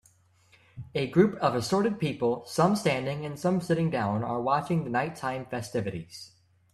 A group of assorted people some standing and some sitting down are watching the nighttime festivities